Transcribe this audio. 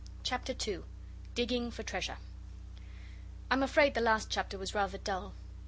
CHAPTER 2. DIGGING FOR TREASURE I am afraid the last chapter was rather dull.